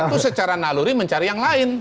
itu secara naluri mencari yang lain